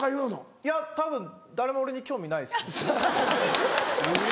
いやたぶん誰も俺に興味ないですね。